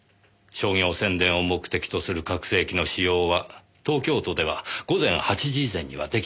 商業宣伝を目的とする拡声器の使用は東京都では午前８時以前にはできないんです。